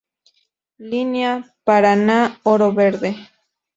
Línea Paraná-Oro Verde.